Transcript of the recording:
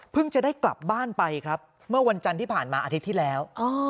จะได้กลับบ้านไปครับเมื่อวันจันทร์ที่ผ่านมาอาทิตย์ที่แล้ว